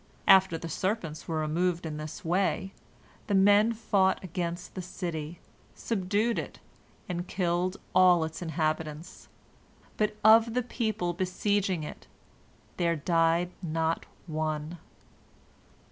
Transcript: After the serpents were removed in this way, the men fought against the city, subdued it, and killed all its inhabitants, but of the people besieging it there died not one.